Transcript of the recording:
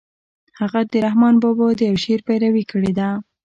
هغه د رحمن بابا د يوه شعر پيروي کړې ده.